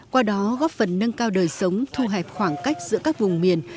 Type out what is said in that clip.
qua đó góp phần nâng cao đời sống thu hẹp khoảng cách giữa các vùng miền